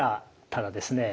ただですね